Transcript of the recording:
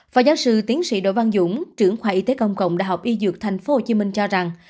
phó giáo sư tiến sĩ đỗ văn dũng trưởng khoa y tế công cộng đại học y dược tp hcm cho rằng